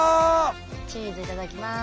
チーズいただきます。